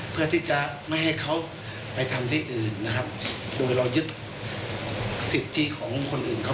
เพื่อที่จะไม่ให้เขาไปทำที่อื่นนะครับโดยเรายึดสิทธิของคนอื่นเขา